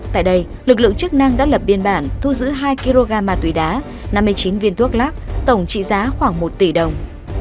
tại đây lực lượng chức năng đã lập biên bản thu giữ hai kg ma túy đá năm mươi chín viên thuốc lắc tổng trị giá khoảng một tỷ đồng